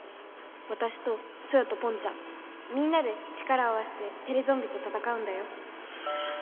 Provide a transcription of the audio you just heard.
わたしとソヨとポンちゃんみんなで力を合わせてテレゾンビとたたかうんだよ。